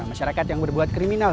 masyarakat yang berbuat kriminal